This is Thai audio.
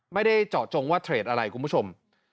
ไม่ได้เจาะจงว่าเทรดอะไรคุณผู้ชม